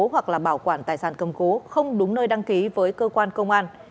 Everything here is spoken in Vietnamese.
hoặc là bảo quản tài sản cầm cố không đúng nơi đăng ký với cơ quan công an